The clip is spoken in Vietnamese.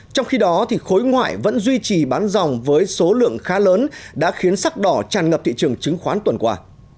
trong khi đó khối ngoại vẫn duy trì bán dòng với số lượng khá lớn đã khiến sắc đỏ tràn ngập thị trường chứng khoán tuần qua